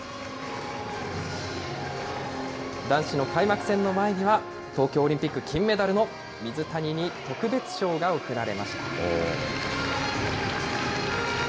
男子の開幕戦の前には、東京オリンピック金メダルの水谷に特別賞が贈られました。